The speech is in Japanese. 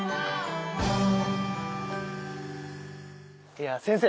いや先生。